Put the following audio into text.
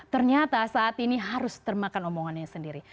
ternyata saat ini harus termakan omongannya sendiri